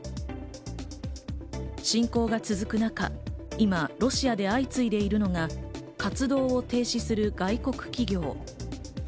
侵攻が続く中、今ロシアで相次いでいるのが活動を停止する外国企業。